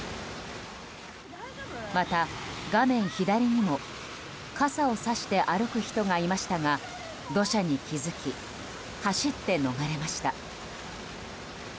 また、画面左にも傘をさして歩く人がいましたが土砂に気付き走って逃れました。